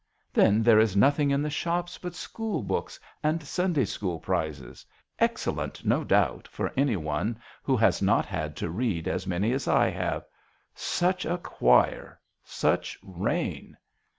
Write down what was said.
Then there is nothing in the shops but school books and Sunday school prizes. Excellent, no doubt, for any one who has not had to read as many as I have. Such a choir ! such rain